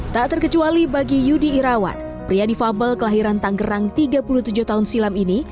tak terkecuali bagi yudi irawan pria difabel kelahiran tanggerang tiga puluh tujuh tahun silam ini